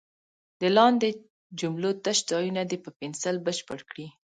د لاندې جملو تش ځایونه دې په پنسل بشپړ کړي.